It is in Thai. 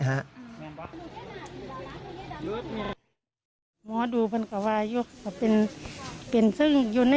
เขาอยู่หน้าเมืองของจริง